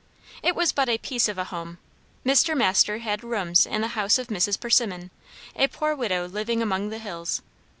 It was but a piece of a home. Mr. Masters had rooms in the house of Mrs. Persimmon, a poor widow living among the hills.